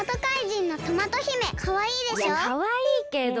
いやかわいいけど。